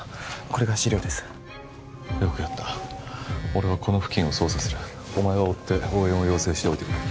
これが資料ですよくやった俺はこの付近を捜査するお前はおって応援を要請しておいてくれ